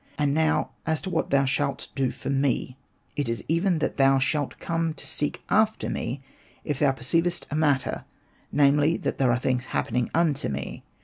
And now as to what thou shalt do for me ; it is even that thou shalt come to seek after me, if thou perceivest a matter^ namely, that there are things happening unto me.